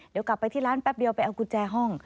เดี๋ยวกลับไปที่ร้านแป๊บเดียวไปเอากุญแจห้อง